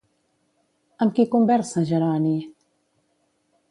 Amb qui conversa Jeroni?